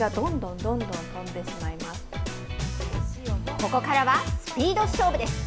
ここからはスピード勝負です。